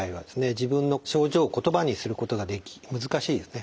自分の症状を言葉にすることが難しいですね。